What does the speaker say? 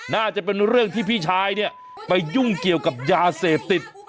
น่าจะเป็นเรื่องที่พี่ชายเนี่ยไปยุ่งเกี่ยวกับยาเสพติด